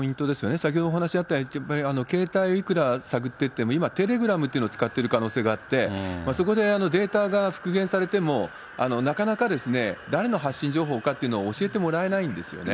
先ほどもお話あったように、携帯をいくら探っていっても、今、テレグラムというのを使っている可能性があって、そこでデータが復元されても、なかなか誰の発信情報かというのを教えてもらえないんですよね。